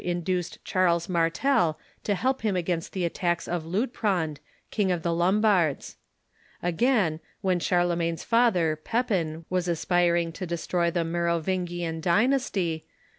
induced Charles Martel to help him against the attacks of Luitprand, King of the Lombards. Again, when Charlemagne's father, Pepin, Avas aspiring to destroy the Merovingian dynast}^.